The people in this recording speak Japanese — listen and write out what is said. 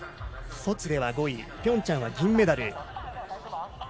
ソチでは５位ピョンチャンは銀メダル。